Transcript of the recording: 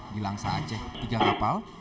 di langsa aceh tiga kapal